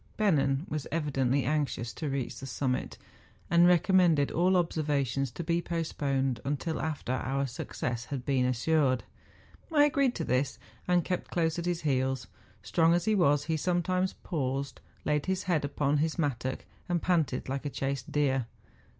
Bennen was evidently anxious to reach the summit, and recommended all observa¬ tions to be postponed until after our success had been assured. I agreed to this, and kept close at his heels. Strong as he was, he sometimes paused, laid his head upon his mattock, and panted like a chased deer.